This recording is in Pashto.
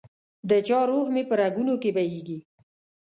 دچا روح مي په رګونو کي بهیږي